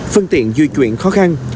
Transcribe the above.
phương tiện di chuyển khó khăn